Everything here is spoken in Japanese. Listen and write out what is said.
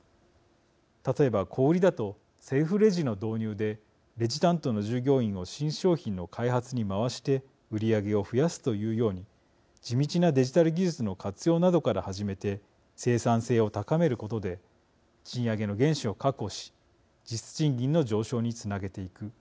例えば小売りだとセルフレジの導入でレジ担当の従業員を新商品の開発に回して売り上げを増やすというように地道なデジタル技術の活用などから始めて生産性を高めることで賃上げの原資を確保し実質賃金の上昇につなげていく。